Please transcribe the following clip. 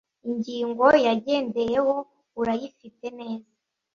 ingingo yagendeyeho urayifite neza